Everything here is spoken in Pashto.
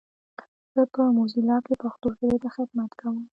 زه په موزیلا کې پښتو ژبې ته خدمت کوم.